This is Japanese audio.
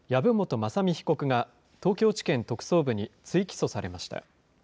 雅巳被告が東京地検特捜部に追起訴されました。